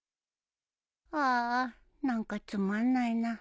あーあ何かつまんないな